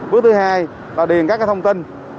bước thứ hai là điền các thông tin